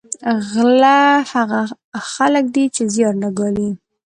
غله هغه خلک دي چې زیار نه ګالي